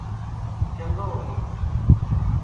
چنگو